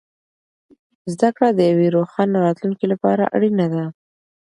زده کړه د یوې روښانه راتلونکې لپاره اړینه ده.